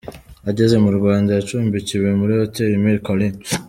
Ageze mu Rwanda yacumbikiwe muri Hotel Milles Collines.